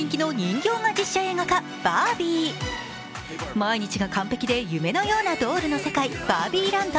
毎日が完璧で夢のようなドールの世界バービーランド。